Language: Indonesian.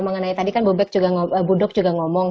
mengenai tadi kan budok juga ngomong